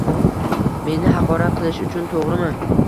Meni haqorat qilish uchun, to`g`rimi